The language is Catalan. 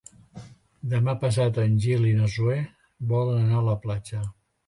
Demà passat en Gil i na Zoè volen anar a la platja.